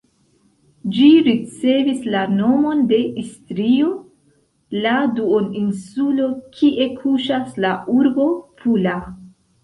Ĝi ricevis la nomon de Istrio, la duoninsulo kie kuŝas la urbo Pula.